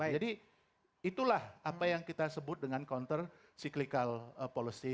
jadi itulah apa yang kita sebut dengan counter cyclical policy